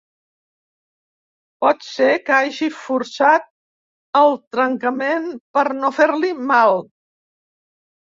Pot ser que hagi forçat el trencament per no fer-li mal.